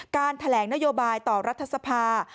แถลงนโยบายต่อรัฐสภา